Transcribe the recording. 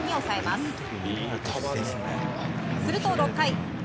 すると６回。